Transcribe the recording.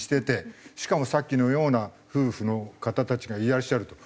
しかもさっきのような夫婦の方たちがいらっしゃると。